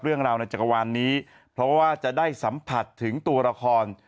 เรื่องราวในจักรวาลนี้เพราะว่าจะได้สัมผัสถึงตัวละคร